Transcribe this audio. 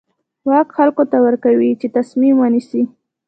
واک خلکو ته ورکوي چې تصمیم ونیسي.